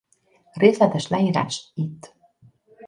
Részletes leírás itt.